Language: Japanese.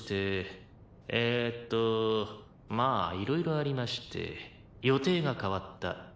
「えーっとまあいろいろありまして予定が変わった」